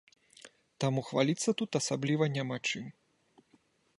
Таму хваліцца тут асабліва няма чым.